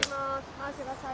回してください。